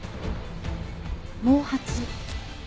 毛髪？